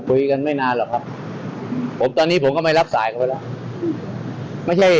คุยกันไม่นานหรอกครับตอนนี้ผมก็ไม่รับสายเขาไปแล้ว